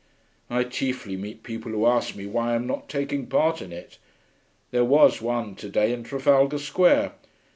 'I chiefly meet people who ask me why I'm not taking part in it. There was one to day, in Trafalgar Square.